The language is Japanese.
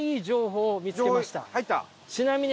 ちなみに。